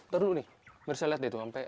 ntar dulu nih nggak bisa lihat deh tuh